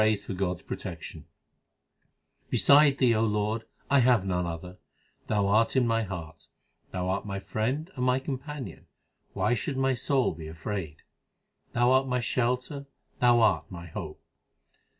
284 THE SIKH RELIGION The Guru prays for God s protection : Beside Thee, O Lord, I have none other ; Thou art in my heart ; Thou art my friend and my companion ; why should my soul be afraid ? Thou art my shelter ; Thou art my hope.